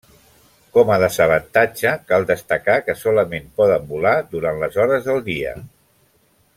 Com a desavantatge cal destacar que solament poden volar durant les hores del dia.